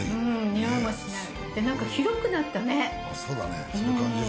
においもしない。